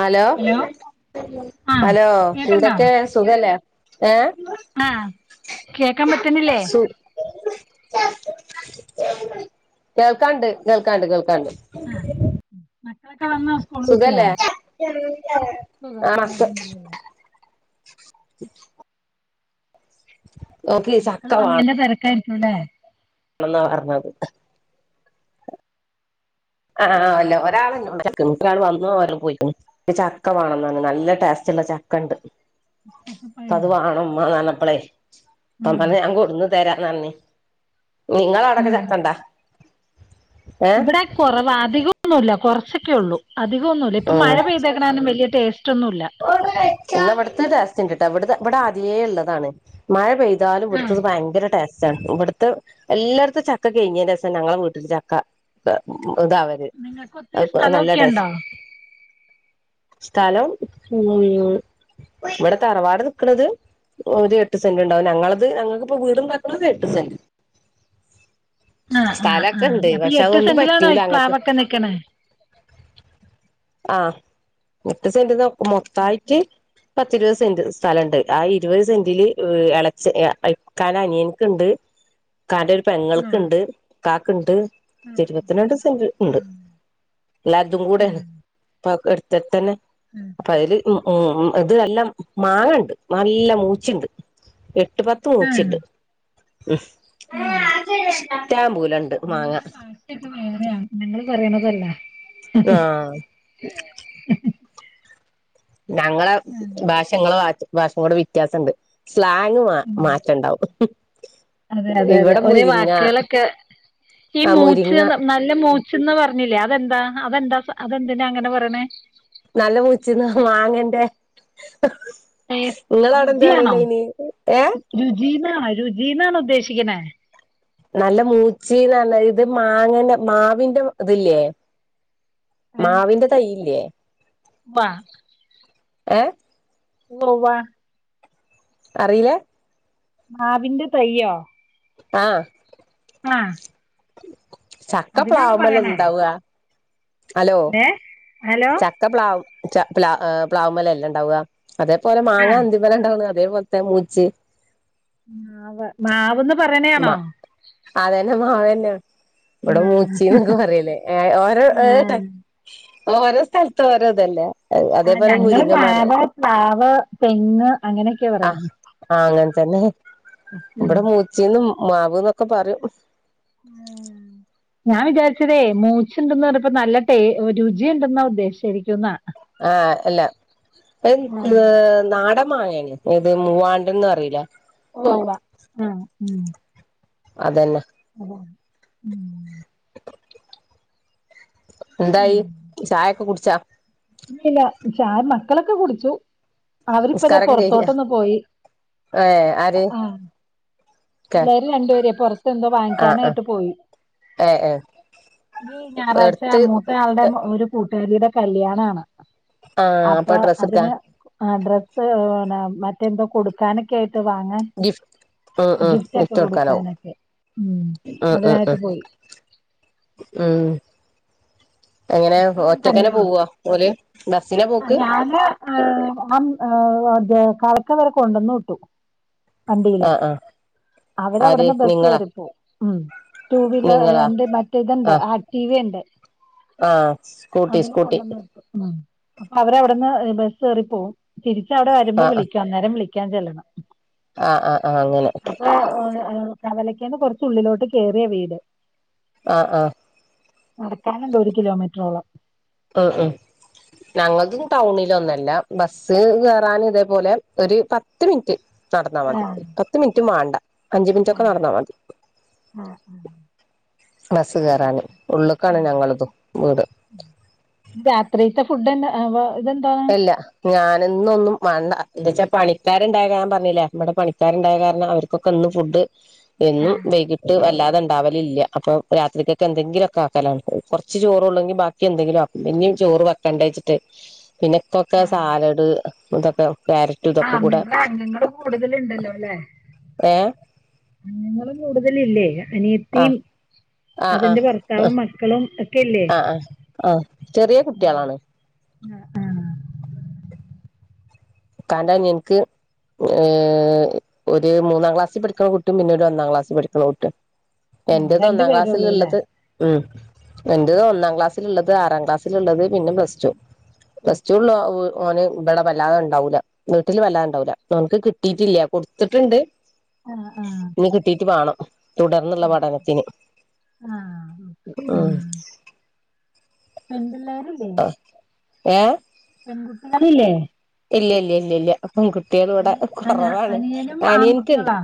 Hello. ആഹ് hello കേക്കണ്ടാ എന്തെക്കെ സുഖല്ലേ ഏഹ്? കേക്കാം പറ്റുന്നില്ലേ? കേൾക്കാണ്ട് കേൾക്കാണ്ട് കേൾക്കാണ്ട്. മക്കളക്കളൊക്കെ വന്നോ സ്കൂളിട്ട് സുഖല്ലേ ആ മക്ക അൽഹംദുലില്ലാഹ്. [inaudible] ഓക്ക് ചക്ക മക്കള് വന്നതിന്റെ തെരക്കായിക്കൂലെ. ആണെന്നാ പറഞ്ഞത് ആ ആ അല്ല ഒരാള് [unintelligible] ഒരാള് വന്നു വരും പോയി ക്കുന്നു. ചക്ക വാണംന്നറഞ് നല്ല ടേസ്റ്റ്ള്ള ചക്ക ഇണ്ട്. ചക്കപ്പഴം അത് വാണം ഉമ്മാന്നറഞ്ഞപ്പളെയ് അപ്പം ഉം തന്നെ ഞാൻ കൊടുന്ന്. തരാന്ന് പറഞ്ഞെ നിങ്ങളവടൊക്കെ ചക്കണ്ടാ? ഏ ഇവടെ കൊറവാ അധികൊന്നുല്ല കൊറച്ചൊക്കയൊള്ളൂ അധികൊന്നുല്ല ഇപ്പൊ മഴ പെയ്തേക്ക്‌ണ കാരണം വല്ല്യ ടേസ് റ്റൊന്നും ഇല്ല. ഇവട്ത്തെ ടെസ്റ്റ്‌ഇണ്ട് ട്ടോ ഇവടെ ആദ്യേ ഇള്ളതാണ്. മയ പെയ്താലും ആഹ് ഇവിടുത്തത് ഭയങ്കര ടേസ്റ്റ്ണ് ഇവിടുത്തെ. എല്ലാടത്തും ചക്ക കഴിഞ്ഞേന്റെഷാ ഞങ്ങളെ വീട്ടില് ചക്ക ഇതാവ അത് നിങ്ങൾക്ക് ഒത്തിരി പ്പൊ നല്ല സ്ഥലമൊക്കെ ഉണ്ടോ ടെസ്റ്റ്‌ സ്ഥലം. ഉം ഇവടെ തറവാട് നിക്ക്ണത്. ഒരു എട്ട് സെന്റ് ഇണ്ടാവും ഞങ്ങളത് ഞങ്ങക്കിപ്പോ വീട്ണ്ടാക്കണത് എട്ട് സെന്റ്. ആ ആ ആ സ്ഥലൊക്കെ ഉണ്ട് അപ്പൊ ഈ പക്ഷെ എട്ട് സെന്റിലാണോ പ്ലാവൊക്കെ നിക്ക്‌ണ്. ആ എട്ട് സെന്റിന്ന് മൊത്തായിട്ട്. പത്തിരുപത് സെന്റ് സ്ഥലംഇണ്ട് ആ ഇരുപത് സെന്റില് എളച്ച ഇക്കാന്റെ അനിയൻക്കിണ്ട്. [inaudible] ഇക്കാന്റൊരു ആഹ് പെങ്ങൾക്ക്ണ്ട് ഇക്കാക്ക്ണ്ട് ആഹ് ഇരുപത്തിരണ്ട് സെന്റ് ഇണ്ട്. ആഹ് എല്ലാര്തും കൂടേണ് ആഹ് അതൊക്കെടുത്തടുത്തന്നെ. ഇപ്പയില് ഉം ഇത് നല്ല മാങ്ങണ്ട് നല്ല മൂച്ചിണ്ട് എ എട്ട് പത്ത് ആഹ് മൂച്ചി്ണ്ട് ഉം ആഹ് പറ്റാമ്പൂലണ്ട് മാങ്ങ. ഇത് വേറെയാ ഞങ്ങള് പറയ്ണതോല്ല. ആ ഞങ്ങളെ ആഹ് ഭാഷ ഇങ്ങളെ ഭാഷേ കൂടെ വ്യത്യാസണ്ട്. സ്ലാങ് മാ ഉണ്ട്. മാറ്റണ്ടാവും. അതെ അതെ അതെ ഇവിടെ ഒരേ മുരിങ്ങ വാക്കുകളൊക്കെ ഈ ആ മുരിങ്ങ മൂച്ച്ന്നർഞ അല്ല മൂച്ചിന്ന് പറഞ്ഞില്ലേ അതെന്താ അതെന്താ അതെന്തിനാ അങ്ങനെ പറയണേ? നല്ല മുച്ചീന്ന മാങ്ങന്റെ. ടേസ് ഇങ്ങളവടെ എന്ത പറയലയ്ന് ഏ രുചീന്നാ രുചീന്നാണോ ഉദ്ദേശിക്കണേ? നല്ല മൂച്ചിന്നറെഞ്ഞ ഇത് മാങ്ങന്റെ മാവിന്റെ ഇതില്ലേ. ഏഹ് മാവിന്റെ തയ്യില്ലേ വാ ഏ ഉവ്വ് ഉവ്വാ അറിയിലേ?. മാവിന്റെ തയ്യോ? ആ ആ ചക്ക പറയണേ പ്ലാവ്മ്മല്ലെണ്ടാവുക ഹലോ ഏഹ് ഹലോ ചക്ക പ്ലാവ് ച പ്ലാ ഏ പ്ലാവ്മലല്ലേണ്ടാവുക അതേപോലെ മാങ്ങ ആഹ് എന്തിമ്മലണ്ടാവ്ണ് അതേപോലത്തെ മൂച്ചി മാവ് മാവന്ന് പറയണാണോ മ അതന്നെ മാവന്നെ ഇവിടെ ആഹ് മൂച്ചി എന്നൊക്കെ പറയല് ഏ ഓരോ ഏഹ് ഓരോ സ്ഥലത്തും ഓരോ ഇതല്ലേ ആഹ് അതേപോലെ ഞങ്ങള് മുരിങ്ങമരം മാവ് പ്ലാവ് തെങ്ങ് അങ്ങനെയൊക്കെ ആഹ് പറയന്നെ ആഹ് അങ്ങൻതന്നെ ഉം. ഇവിടെ മൂച്ചീന്നും മാവുന്നൊക്കെ പറയും ഉം ഞാൻ വിചാരിച്ചതേ മൂച്ചുണ്ടന്ന് പറഞ്ഞപ്പ നല്ല ട്ടെ രുചി ഉണ്ടെന്ന ഉദ്ദേശിച്ചായിരിക്കും എന്നാ ആഹ് അല്ല ന്ത്‌ ന്ന് നാടൻ മാങ്ങാണ് ഏത് മൂവാണ്ടൻന്ന് പറിയിലേ ഉവ് ഉവ ആഹ് ഉം അതന്നെ അതെ എന്തായി ചായൊക്കെ കുടിച്ചാ ഇല്ലില്ല ചായ മക്കളൊക്കെ കുടിച്ചു അവരിപ്പതെ നിസ്കാരൊക്കെ കഴിഞ്ഞ പുറത്തോട്ടൊന്ന് പോയി ഏ ആര് ആഹ് ക്കെ പിള്ളേര് രണ്ടുപേര് പെർത്തെന്തോ ആ ആ വാങ്ങിക്കാനായിട്ട് പോയി ഏ ഏ ഈ ഞായറാഴ്ച എടുത്ത് മൂത്തയാളുടെ ഒരു കൂട്ടുകാരിയുടെ കല്യാണാണ് ആ അപ്പൊ ഡ്രസ്സ് എടുക്കാ അതിന് ആഹ് ഡ്രസ്സ് പിന്നെ മറ്റെന്തോ കൊടുക്കാനൊക്കെ ആയിട്ട് വാങ്ങാൻ ഗിഫ് ആഹ് ആഹ് ഗിഫ്റ്റൊക്കെ ഗിഫ്റ്റ് കൊടക്കാനവും കൊടുക്കാനൊക്കെ ഉം ആഹ് ആഹ് അതിനായിട്ട് ആഹ് പോയി. ഉം എങ്ങനെ ഇപ്പൊ ഞാൻ ഒറ്റക്കന്നെ തന്നെയുള്ളു. പോവോ ഓല് ദർസിലാ പോക്ക് ആഹ് ആൻ അതെ കാക്ക ഇവരെ കൊണ്ടന്ന് വിട്ടു വണ്ടിയിലെ ആ ആ അവര് ആര് അവിടുന്ന് ബസ്സ് നിങ്ങളാ കറിപ്പോവും ഉം ടു വീലർ നിങ്ങളാ എന്റെ മറ്റേ ഇതുണ്ട് ആക് ക്ടീവെ ഇണ്ട് ആഹ് സ്കൂട്ടി സ്കൂട്ടി കൊണ്ടന്ന് വിട്ടു ഉം അപ്പൊ അവരവിടെന്ന് ബസ്സ് കേറി പോവും തിരിച്ചവിടെ വരുമ്പോ ആ വിളിക്കാം അന്നേരം വിളിക്കാൻ ചെല്ലണം ആഹ് ആഹ് ആഹ് അങ്ങനെ [unintelligible] കവലക്കന്ന് കുറച്ചുള്ളിലോട്ട് കേറിയ വീട് ആഹ് ആഹ് നടക്കാനുണ്ട് ഒരു കിലോമീറ്ററോളം ആഹ് ആഹ് ഞങ്ങൾതും ടൗണിലൊന്നല്ല ബസ്സ് കേറാൻ ഇതേപോലെ ഒരു പത്ത് മിനിറ്റ് നടന്നാ മതി ആഹ് പത്ത് മിൻറ്റും വാണ്ട അഞ്ചു മിൻറ്റ് ഒക്കെ ഉണ്ട് നടന്നാ മതി ആഹ് ബസ്സ് കേറാന് ഉള്ള്ക്കാണ് ഞങ്ങളതും വീട് രാത്രിത്തെ ഫുഡ് എന്നാ അപ്പോ ഇതെന്താ അല്ല ഞാനിന്നൊന്നും മാണ്ട എന്താച്ചാ പണിക്കാരുണ്ടായ ഞാൻ പറഞ്ഞില്ലേ നമ്മടെ പണിക്കാരുണ്ടായ കാരണം അവർക്ക് ക്കെക്കന്ന് ഫുഡ് എന്നും ആഹ് വൈകിട്ട് വല്ലാതങ് ഉണ്ടാവലില്ല അപ്പൊ രാത്രിക്കൊക്കെ എന്തെങ്കിലൊക്കെ ആക്കലാണ് കൊറച്ച് ചോറള്ളെങ്കിൽ ബാക്കി എന്തെങ്കിലും ആക്കും പിന്നെയും ചോറ് ബാക്കി കണ്ടച്ചിട്ട് പിന്നെക്കൊക്കെ ആഹ് സാലഡ് ഇതൊക്കെ കാര ആഹ് നിങ്ങള് അംഗങ്ങള് കൂടുതലുണ്ടല്ലോ അല്ലെ ഏഹ് അംഗങ്ങള് കൂടുതലില്ലേ ആഹ് അനിയത്തിം ആഹ് ആഹ് അതിന്റെ ഭർത്താവും മ ക്കളും എ ആഹ് ആ ആ ചെറിയ കുട്ട്യേളാണ്. ആ ആഹ്. ഉപ്പാന്റെ അനിയന്ക്ക്, ഏഹ് ഒരു മൂന്നാം ക്ലാസ്സിൽ പഠിക്കണ കൂട്ടിം, പിന്നെ ഒരു ഒന്നാം ക്ലാസ്സിൽ പഠിക്കണ കുട്ടിം. ആഹ് എന്റെത് രണ്ട് ഒന്നാം പേരൊള്ളൂല്ലേ? ക്ലാസ്സിലുള്ളത്, ഉം എന്റെത് ഒന്നാം ക്ലാസ്സിലുള്ളത്, ആറാം ക്ലാസ്സിലുള്ളത്, പിന്നെ പ്ലസ്റ്റു. പ്ലസ്റ്റുലുള്ള ഒ ഓന് ഇവടെ വല്ലാതെ ഉ ണ്ടാവൂല വീട്ടില് വല്ലാണ്ടാവൂല്ല. നമുക്ക് കിട്ടിട്ടില്ല കൊടുത്തിട്ടുണ്ട് ആണ ആഹ്. ഇനി കിട്ടീട്ട് വേണം തുടർന്നുള്ള ആഹ് പഠനത്തിന് ആഹ് ഓക്കെ ഉം. ആഹ് പെൺപിള്ളേരില്ലേ? ഏഹ് പെൺകുട്ടികളില്ലേ? ഇല്ല ഇല്ല ഇല്ല ഇല്ല. പെൺകുട്ട്യേള് ഇവിടെ അനി അന കൊറവാണ്. അനിയനും അനിയന്ക്ക്ണ്ട് ആൺകുട്ടികളാ?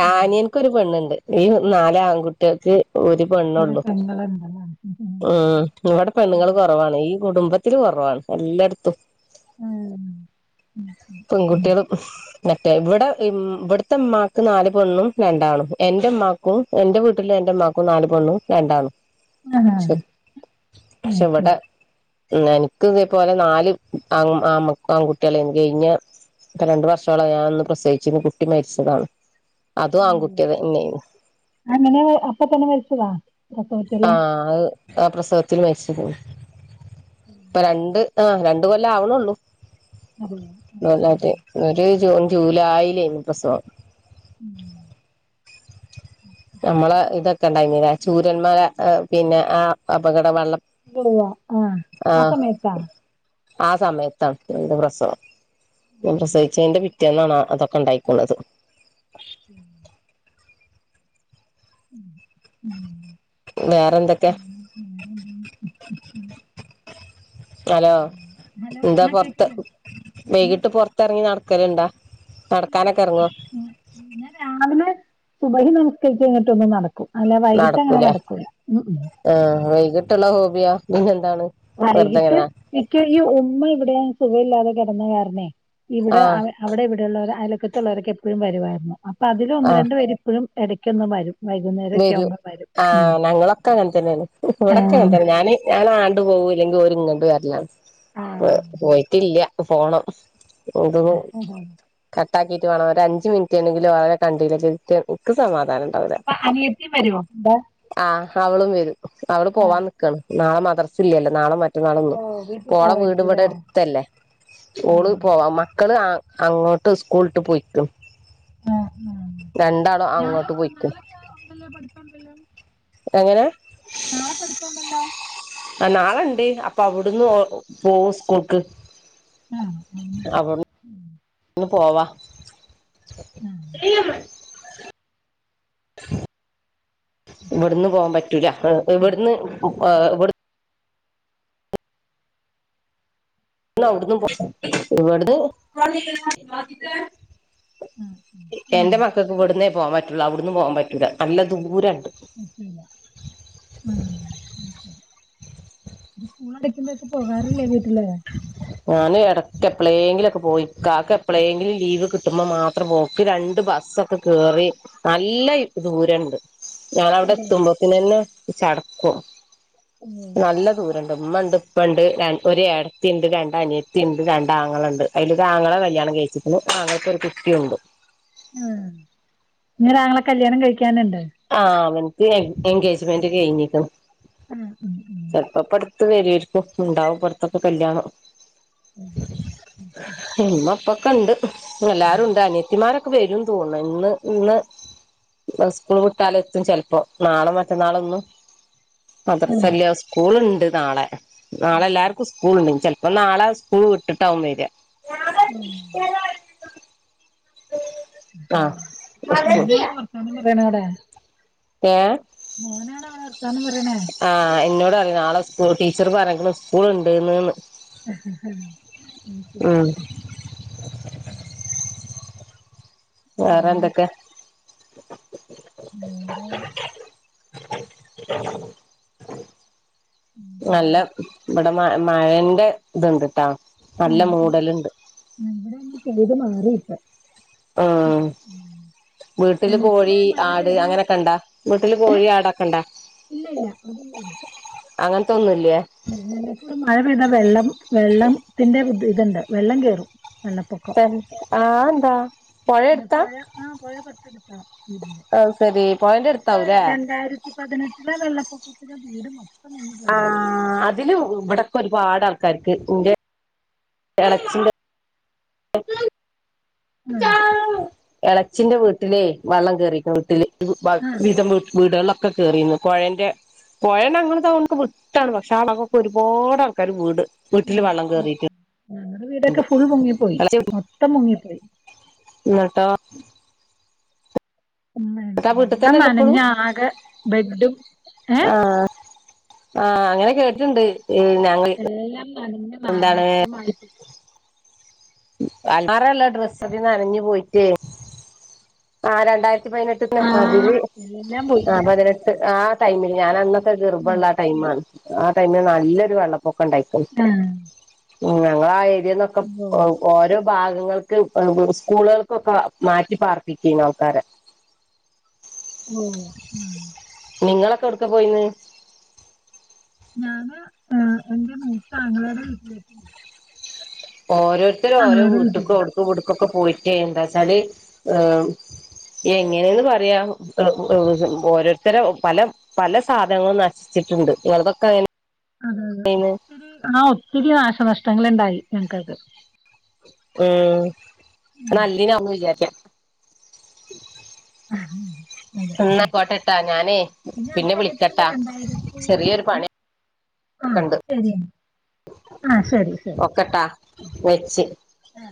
ആ ആഹ് അനിയ ക്ക് ഒരു പെണ്ണുണ്ട്. ഈ നാല് ആൺകുട്ട്യേക്ക് ഒരു ഒരു പെണ്ണുള്ളൂ. പെങ്ങളുണ്ടല്ലേ? ഉം ഇവടെ പെണ്ണുങ്ങള് കൊറ വാണ് ഈ കുടുംബത്തില് കൊറവാണ് എല്ലടത്തും, ഉം ഉം പെൺകുട്ട്യേള് മറ്റേ ഇവിടെ ഉം ഇവിടത്തെമ്മാക്ക് നാല് പെണ്ണും രണ്ടാണും എന്റുമ്മാക്കും എന്റെ വീട്ടില് എന്റുമ്മാക്കും നാല് പെണ്ണും രണ്ടാണും. ആഹാ ഷെ അത് പക്ഷെ ഇവടെ, ശരി. എന്ക്ക് ഇതേപോലെ നാല് ആങ്ങ് ആമ ആൺകുട്ടികള [unintelligible] കഴിഞ്ഞ ഇപ്പൊ രണ്ട് വർഷോളായി ഞാനൊന്ന് പ്രസവിച്ചിന്ന് കുട്ടി മരിച്ചതാണ്. അതും ഉം ആൺകുട്ടിതന്നെയേനും. അങ്ങനെ അപ്പ തന്നെ മരിച്ചതാ പ്രസ ആഹ് അത് ആ പ്രസവത്തില് മരിച്ചത്. രണ്ട് ആഹ് രണ്ട് കൊല്ലം ആവണുള്ളൂ. അതെയോ? ആഹ് [unintelligible] ആഹ് ഒരു ജൂൺ ജൂലായിലേനു പ്രസവം. ഉം. നമ്മള ഇതൊക്കെ ഉണ്ടായിരുന്നുലാ ചൂരമ്മല പിന്നെ ആ അപകട വെള്ളം [unintelligible] ആഹ് ആ സമയത്താ. ആ സമയത്താണ് എന്റെ പ്രസവം. ഞാൻ ഉം. പ്രസവിച്ചതിന്റെ പിറ്റേ ന്നാണ് അതൊക്കെ ഉണ്ടായിക്കോണത്. ഉം ഉം ഉം. വേറെന്തെക്കെ? പിന്നെ വേറെന്താ ഉം ഹലോ ഉം. ഹലോ എന്താ ആ പൊറത്ത കേക്ക്ണ്ട് വൈകിട്ട് പൊറത്തെറങ്ങി നടക്കലുണ്ടാ? നടക്കാനൊക്കെ ഇറങ്ങോ? ഉം ഞാൻ രാവിലെ സുബഹി നമസ്കരിച്ച് കഴിഞ്ഞിട്ട് ഒന്ന് നടക്കും. അല്ല വൈകിട്ടങ്ങനെ നടക്കൂല ഉം ഉം. ആഹ് വൈകിട്ടുള്ള ഹോബിയാ പിന്നെന്താണ്? വൈകിട്ട് വെറുതെങ്ങനെ നിക്ക് ഈ ഉമ്മ ഇവിടെ സുഖ ഇല്ലാതെ കിടന്ന കാരണേ ഇവിടെ ആ അവ അവിടെ ഇവിടെയുള്ളവർ അയൽ വക്കത്തുള്ളള്ളവരക്കെ എപ്പഴും വരുവായിരുന്നു അപ്പോ അതിൽ ഒന്ന് ആ രണ്ട് പേര് ഇപ്പോഴും ഇടയ്ക്കൊന്ന് വരും വൈകുന്നേരൊക്കെ വരും ആവുമ്പോ ആ ഉം ഞങ്ങളൊക്കെ അങ്ങനെ തന്നെയാണ് ഇവിടൊക്കെ അങ്ങനെ ആഹ് തന്നെയാണ് ഞാനാണ്ട് പോകൂ ഇല്ലെങ്കിൽ ഓരിങ്ങട്ട് വരല്ലാ ആഹ് ഏഹ് പോയിട്ടില്ല പോണം ഇത് ആഹാ കട്ടാക്കിട്ട് മാണം ഒരു അഞ്ച് മിനിറ്റ് എങ്കിലും അവരെ കണ്ടില്ലങ്കിൽ എ നിക്ക് സമാധാന അപ്പ അനിയത്തി വരുവോ ആഹ് അവളും വരും അവള് ആഹ് പോവാൻ നിക്കാണ് നാളെ മദ്റ്സ് ല്ലല്ലോ നാളെ ഓ മറ്റന്നാളൊന്നും വീട്ടിൽ അപ്പൊ ഓളെ വീട് ഇവിടെ പോവായിരിക്കുംല്ലേ ആഹ് എടുത്തല്ലേ ഓള് പോവാ മക്കള് ആ അങ്ങോട്ട് സ്കൂളിട്ട് പോയിക്ക് ആഹ് രണ്ടാളും അങ്ങോട്ട് പോയിക്ക് ഉണ്ടല്ലോ പഠിപ്പൊണ്ടല്ലോ. എങ്ങനെ. ആഹ് നാളെണ്ട് അപ്പൊ അവുടുന്ന് പോവും സ്കൂൾക്ക് അപ്പം ഉംഹ് ഒന്ന് പോവാ ആഹ് ഇവിടന്ന് പോവാൻ പറ്റൂല ഇവിടുന്ന് ഇവി [inaudible] എന്ന അവിടന്നും പോ ഇവിടന്ന് [inaudible] ആഹ് ആഹ് എന്റെ മക്കക്ക് ഇവിടന്നേ പോവാൻ പറ്റുള്ളൂ അവിടന്ന് പോവാൻ പറ്റൂല നല്ല ദൂരണ്ട് [inaudible] പോകാറില്ലേ വീട്ടില് ഞാന് എടക്ക് എപ്പളെങ്കിലൊക്കെ പോയി ഇക്കാക്ക് എപ്പളെങ്കിലും ലീവ് കിട്ടുമ്പോൾ മാത്രം പോക്ക് രണ്ട് ബസ്സൊക്കെ കേറി നല്ല ദൂരണ്ട്. ഞാനവടെ അതെ എത്തുമ്പത്തിനന്നെ ചടക്കും ഉം നല്ല ദൂരണ്ട് ഉമ്മണ്ട് ഇപ്പണ്ട് ഒരു ഏടത്തിണ്ട് രണ്ട് അനിയത്തിണ്ട് രണ്ട് ആങ്ങളണ്ട് അതിലൊരു ആങ്ങള കല്യാണം കഴിച്ചിട്ട്. ആങ്ങളക്ക് ഒരു കുട്ടിയുണ്ട് ഉം ഇങ്ങ് ഒരാങ്ങള കല്ല്യാണം കഴിക്കാനിണ്ട്. ആഹ് അവനിക്ക് എൻഗേജ്മെന്റ് കഴിഞ്ഞിക്ക്. ഉം ഉം ചെലപ്പപ്പടത് വരെയിരിക്കും ഉണ്ടാവും ഇപ്പടുത്തൊക്കെ കല്യാണം ഉം അത് ശരി ഇമ്മപ്പൊക്കെ ഉണ്ട് ഉം എല്ലാരും ഉണ്ട് അനിയത്തിമാരൊക്കെ വരും തോന്നണ് ഇന്ന് ഇന്ന് സ്കൂൾ വിട്ടാലെത്തും ചെലപ്പോ നാളെ മറ്റന്നാളൊന്നും. ഉം മദ്രസല്ല സ്കൂളുണ്ട് നാളെ നാളെ എല്ലാർക്കും സ്കൂളുണ്ട് ച ന്നാ നാളെ സ്കൂൾ വിട്ടിട്ടാവും വരാ ഉം [inaudible] ആഹ് ഒനാണ് വർത്താനം പറയണവടെ. ഏഹ് മോനാണ് വർത്താനം പറയണേ ആഹ് എന്നോട് പറഞ്ഞ് നാളെ സ്കൂൾ ടീച്ചർ പറഞ്ഞിക്കിണ് സ്കൂൾ ഉണ്ട്ന്ന് ഉം [inaudible] വേറെ പിന്നെ എന്തൊക്കെ. നേരാ ഉം ന്നല്ലം ഇബടെ മ മഴെന്റെ ഇത്ണ്ട് ട്ടോ നല്ല മൂടല്ണ്ട്. ഇവടൊന്ന് പെയ്ത് മാറിയിപ്പൊ. ആഹ് വീട്ടില് കോഴി ഞങ്ങക്കിവിടെ മഴ ആട് പെയ്താ അങ്ങനെക്കെണ്ടാ വീട്ടില് കോഴി ആടൊക്കെ ഇണ്ടാ? ഹസ്ബന്റ് ഇണ്ടായ്ര്ന്നു. അങ്ങനത്തൊന്നുല്ല. ഉം ഞങ്ങക്ക് മഴ പെയ്താ വെള്ളം വെള്ളത്തിന്റെ ഒര് ഇത്ണ്ട് വെള്ളം കേറും. വെള്ളപ്പൊക്കം. ത്ത് ആഹ് എന്താ? പൊഴ പിനെ എടുത്താ പുഴ ആ പുഴ തൊട്ടെടുത്താ പിനെ അത് ശരി പൊഴന്റെ പക്ഷെ അടുത്താവൂലേ രണ്ടായിരത്തി പതിനെട്ടിലെ വെള്ളപ്പൊക്കത്തില് വീട് മൊ- ആഹ് അതിലും ഇവിടക്കെ ഒരുപാട് ആൾക്കാര്ക്ക് ഇന്റെ എളേച്ചിന്റെ- ആ എളച്ചിന്റെ വീട്ടിലേ വെള്ളം കേറിക്കവീട്ടില്. ഒര് ആ പത്തീസം വ് വീടേളൊക്കെ കേറീന്നു പൊഴെന്റെ- പൊഴ ഞങ്ങൾ താമ വിട്ടാണ് പക്ഷെ ആഗൊക്കെ ഒരുപാട് ആൾക്കാരെ വീട്- വീട്ടില് വെള്ളം കേറിട്ട് ആ ഞങ്ങള വീടൊക്കെ ഫുൾ മുങ്ങിപ്പോയി മൊത്തം മുങ്ങിപ്പോയി. ഇന്നട്ടോ? ഉമ്മേ ന്നട്ട് ആ വീട്ട് എല്ലം തന്നെല്ലേ ഇപ്പളും ന്നനഞ്ഞാകെ ബെഡും. ഏ ആഹ് ആഹ് അങ്ങനെ കേട്ട്ണ്ട് ഞങ്ങ എല്ലാം ന്നനഞ് ന്നാശമായിപ്പോയി. അൽമാറള്ള ഡ്രസ്സക്കെ നനഞ്ഞുപോയിറ്റ് ആ രണ്ടായിരത്തി പതിനെട്ടെനെ ആ അതില് എല്ലാം പോയി ആ പതിനെട്ട് ആ ടൈമില് ഞാനന്ന്- പ്പ ഉം. ഗർബള്ള ആ ടൈമാണ് ആ ടൈമില് നല്ലൊരു വെള്ളപ്പൊക്കംണ്ടായിക്കണ്. ആ ഉ ഞങ്ങളെ ആ ഏരിയേ ന്നൊക്കെ ഉവ്വ് ഉവ്വ് ഓരോ ഭാഗങ്ങൾ. ക്ക്‌ സ്കൂളുകൾക്കൊക്കെ മാറ്റി പാർപ്പിക്കെന്നു ആൾക്കാരെ. ഓ നിങ്ങളൊക്കെ എവ്ട്ക്കാപോയിന്ന്. ഞാന് ഇ എന്റെ മൂത്ത ആങ്ങളേടെ വീട്ടിലേക്ക്‌. ഓരോര്ത്തരും ഓരോ ഞങ്ങളുടെ വീട്ടിൽ വീട്ട്ക്ക്‌ അവ്ട്ക്കും ഇവ്ട്ക്കൊക്കെ പോയ്റ്റേ എന്താച്ചാല് ഏ മ് എങ്ങനേന്ന് പറയാ ഒഴുകും ഓരോരുത്തര പല- പല സാധനങ്ങളും നശിച്ചിട്ടുണ്ട് ഇയാൾതൊക്കെ അങ്ങനെ- അതെ അതെ ഒത്തിരി ആ ഒത്തിരി നാശനഷ്ടങ്ങളുണ്ടായി ഞങ്ങകൊക്കെ. ഏഹ് ഉം. നല്ലീനാവുന്ന് വിചാരിക്ക. അഹ്ഹ് എന്നാ പോട്ടെട്ടാ ഞാനേ അത് പിന്നെ കഴിഞ്ഞിട്ട് പിന്നെ വിളിക്കട്ടാ ചെറിയൊരു പണി- ആഹ് ശരിയ ആ ശരി ശരി. ഒക്കട്ടാ വെച്ച്. ആ,